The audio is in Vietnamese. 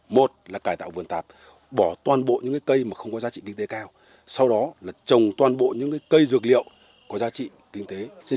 một là cải tạo vườn tạp bỏ toàn bộ những cây không có giá trị kinh tế cao sau đó là trồng toàn bộ những cây dược liệu có giá trị kinh tế